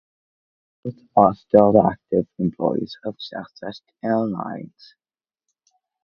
Both are still active employees of Southwest Airlines.